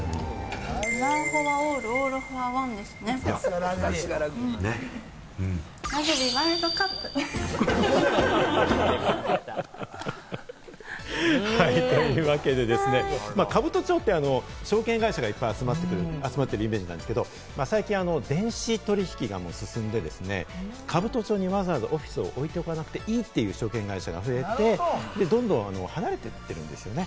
さすがラグビー。というわけでですね、兜町って証券会社がいっぱい集まってるイメージなんですけれども、最近、電子取引が進んで、兜町にわざわざオフィスを置いておかなくていいという証券会社が増えて、どんどん離れていってるんですよね。